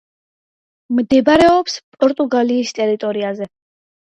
მდებარეობს პორტუგალიის ტერიტორიაზე.